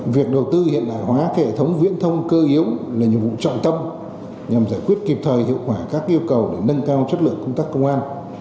việc đầu tư hiện đại hóa hệ thống viễn thông cơ yếu là nhiệm vụ trọng tâm nhằm giải quyết kịp thời hiệu quả các yêu cầu để nâng cao chất lượng công tác công an